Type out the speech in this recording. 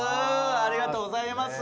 ありがとうございます